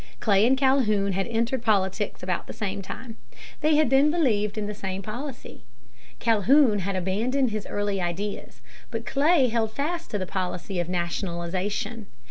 Clay and Calhoun had entered politics at about the same time. They had then believed in the same policy. Calhoun had abandoned his early ideas. But Clay held fast to the policy of "nationalization."